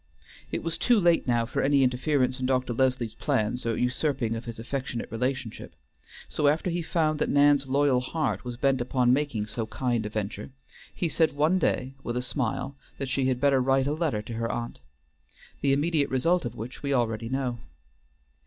It was too late now for any interference in Dr. Leslie's plans, or usurping of his affectionate relationship; so, after he found that Nan's loyal heart was bent upon making so kind a venture, he said one day, with a smile, that she had better write a letter to her aunt, the immediate result of which we already know.